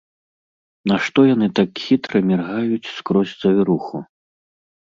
Нашто яны так хітра міргаюць скрозь завіруху?